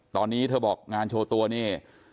ตอนนี้เธอบอกงานโชว์ตัวนี่